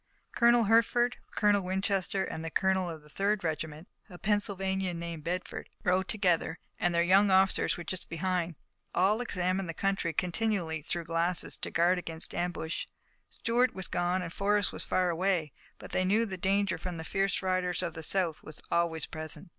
Colonel Hertford, Colonel Winchester, and the colonel of the third regiment, a Pennsylvanian named Bedford, rode together and their young officers were just behind. All examined the country continually through glasses to guard against ambush. Stuart was gone and Forrest was far away, but they knew that danger from the fierce riders of the South was always present.